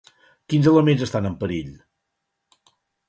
Quins elements estan en perill?